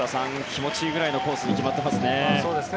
気持ちいいくらいのコースに決まってますね。